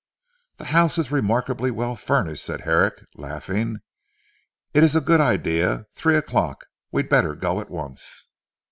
"The house is remarkably well furnished," said Herrick laughing. "It is a good idea; three o'clock. We had better go at once."